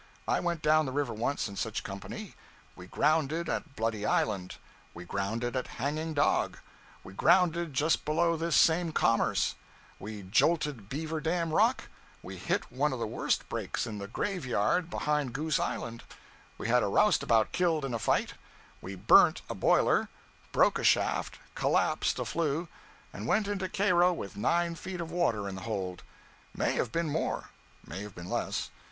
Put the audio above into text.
I went down the river once in such company. We grounded at Bloody Island; we grounded at Hanging Dog; we grounded just below this same Commerce; we jolted Beaver Dam Rock; we hit one of the worst breaks in the 'Graveyard' behind Goose Island; we had a roustabout killed in a fight; we burnt a boiler; broke a shaft; collapsed a flue; and went into Cairo with nine feet of water in the hold may have been more, may have been less.